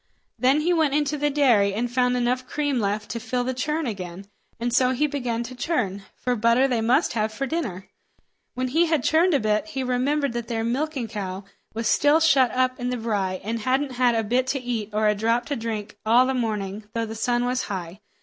Then he went into the dairy and found enough cream left to fill the churn again, and so he began to churn, for butter they must have for dinner. When he had churned a bit, he remembered that their milking cow was still shut up in the brye, and hadn't had a bit to eat or a drop to drink all the morning, though the sun was high.